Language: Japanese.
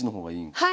はい。